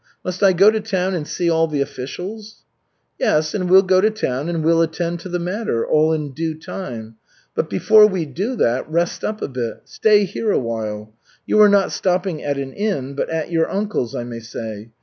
Must I go to town and see all the officials?" "Yes, and we'll go to town and we'll attend to the matter all in due time. But before we do that, rest up a bit. Stay here a while. You are not stopping at an inn but at your uncle's, I may say.